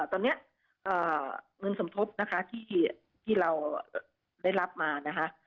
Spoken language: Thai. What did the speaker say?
ตอนนี้เงินสมทบนะคะที่เราได้รับมานะคะ